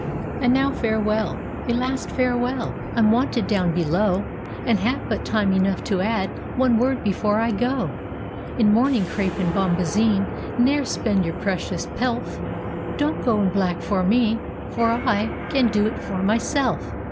"And now farewell! a last farewell! I'm wanted down below, And have but time enough to add One word before I go — In mourning crepe and bombazine Ne'er spend your precious pelf; Don't go in black for me — for I Can do it for myself.